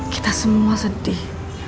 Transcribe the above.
kita semua sedih